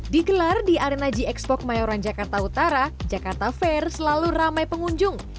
dikelar di arena gxpok mayoran jakarta utara jakarta fair selalu ramai pengunjung